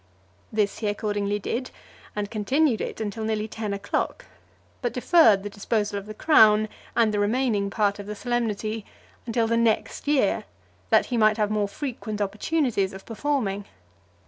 This he accordingly did, and continued it until nearly ten o'clock, but deferred the disposal of the crown, and the remaining part of the solemnity, until the next year; that he might have more frequent opportunities of performing.